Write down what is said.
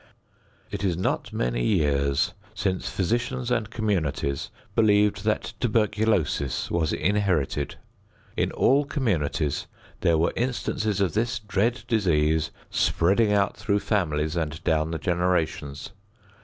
It is not many years since physicians and communities believed that tuberculosis was inherited. In all communities there were instances of this dread disease spreading out through families and down the generations.